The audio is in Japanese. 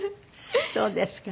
そうですか。